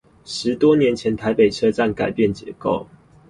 十多年前台北車站改變結構